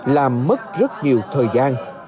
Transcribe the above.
làm mất rất nhiều thời gian